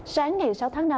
sáng ngày sáu tháng năm